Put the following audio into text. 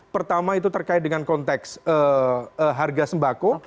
pertama itu terkait dengan konteks harga sembako